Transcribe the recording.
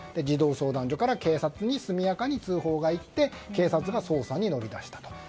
児童相談所に警察に速やかに通報がいって警察が捜査に乗り出したと。